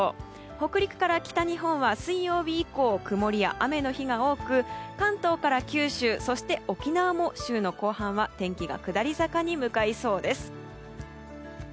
北陸から北日本は水曜日以降、曇りや雨の日が多く関東から九州、そして沖縄も週の後半は天気が下り坂に向かいそうです。